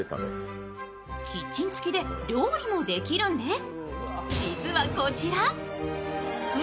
キッチン付きで料理もできるんです。